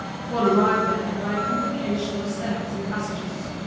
One arrived there by a complication of stairs and passages.